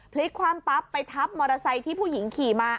พลิกความปั๊บไปทับมอเตอร์ไซค์ที่ผู้หญิงขี่มา